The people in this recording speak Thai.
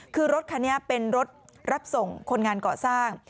คือรถคันนี้เป็นรถรับส่งคนงานเกาะสร้าง